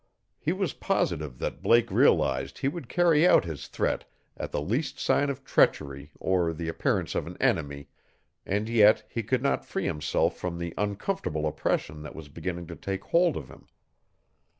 He was positive that Blake realized he would carry out his threat at the least sign of treachery or the appearance of an enemy, and yet he could not free himself from the uncomfortable oppression that was beginning to take hold of him.